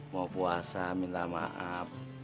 mau puasa minta maaf